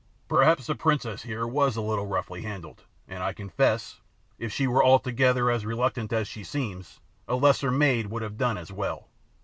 Perhaps the princess here was a little roughly handled, and, I confess, if she were altogether as reluctant as she seems, a lesser maid would have done as well.